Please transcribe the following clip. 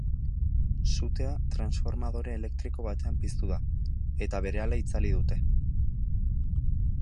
Sutea transformadore elektriko batean piztu da, eta berehala itzali dute.